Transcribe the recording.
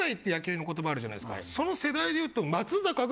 その世代でいうと。